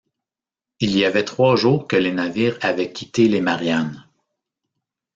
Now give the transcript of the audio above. Il y avait trois jours que les navires avaient quitté les Mariannes.